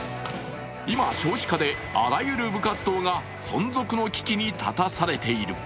今、少子化であらゆる部活動が存続の危機に立たされている。